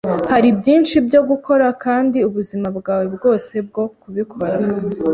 Hariho byinshi byo gukora, kandi ubuzima bwawe bwose bwo kubikora